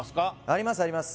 ありますあります